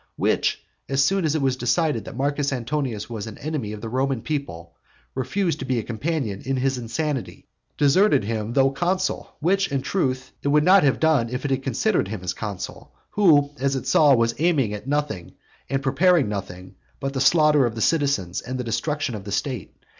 which, as soon as it had decided that Marcus Antonius was an enemy of the Roman people, refused to be a companion of his insanity; deserted him though consul; which, in truth, it would not have done if it had considered him as consul, who, as it saw, was aiming at nothing and preparing nothing but the slaughter of the citizens, and the destruction of the state.